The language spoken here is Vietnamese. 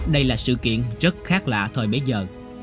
đây là sự kiện rất khác lạ thời bấy giờ